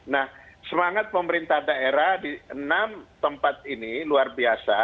nah semangat pemerintah daerah di enam tempat ini luar biasa